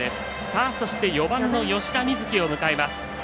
そして、４番の吉田瑞樹を迎えます。